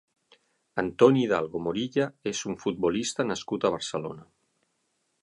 Antonio Hidalgo Morilla és un futbolista nascut a Barcelona.